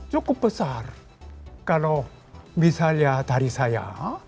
cukup besar kalau misalnya tari saya